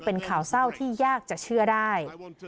เป็นข่าวเศร้าที่ยากจะเชื่อได้